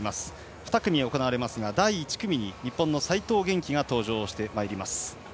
２組行われますが第１組に日本の齋藤元希が登場。